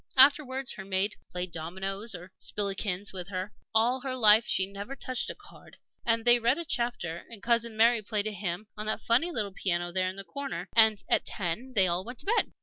Afterwards her maid played dominoes or spillikins with her all her life she never touched a card and they read a chapter, and Cousin Mary played a hymn on that funny little old piano there in the corner, and at ten they all went to bed.